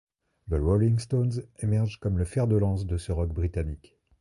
The Rolling Stones émergent comme le fer de lance de ce rock britannique.